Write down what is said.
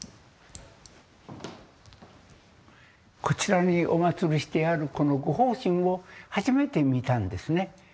こちらにお祀りしてあるこの護法神を初めて見たんですね。